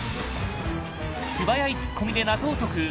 素早いツッコみで謎を解く